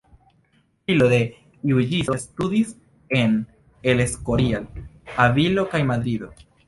Filo de juĝisto, studis en El Escorial, Avilo kaj Madrido.